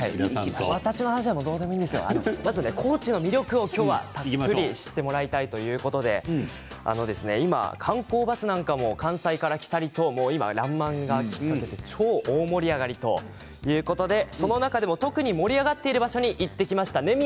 今日は高知の魅力をたっぷり知ってもらいたいとよくいうことで今、観光バスなんかも関西から来たりと「らんまん」きっかけで超大盛り上がりということで中でも特に盛り上がっている場所に行ってきましたよね。